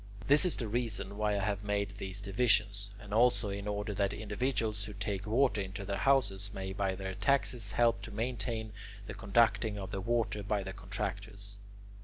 This is the reason why I have made these divisions, and also in order that individuals who take water into their houses may by their taxes help to maintain the conducting of the water by the contractors.